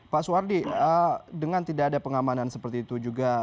pak suwardi dengan tidak ada pengamanan seperti itu juga